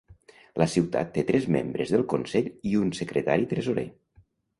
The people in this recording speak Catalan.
La ciutat té tres membres del consell i un secretari tresorer.